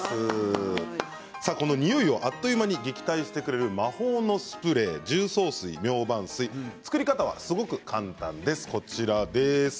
このにおいをあっという間に撃退してくれる魔法のスプレー重曹水、ミョウバン水作り方はすごく簡単です。